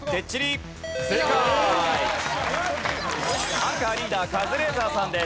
アンカーリーダーカズレーザーさんです。